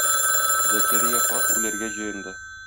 Зәкәрия карт үләргә җыенды.